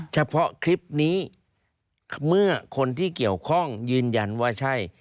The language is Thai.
เฉพาะคลิปนี้เมื่อคนที่เกี่ยวข้องยืนยันว่าใช่